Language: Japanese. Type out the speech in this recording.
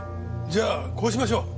じゃあこうしましょう。